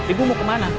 ibu mau kemana